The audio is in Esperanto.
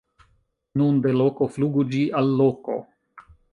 Nun de loko flugu ĝi al loko...